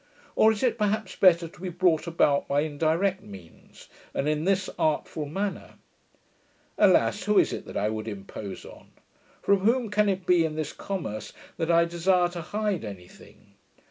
Or is it, perhaps, better to be brought about by indirect means, and in this artful manner? Alas! who is it that I would impose on? From whom can it be, in this commerce, that I desire to hide any thing?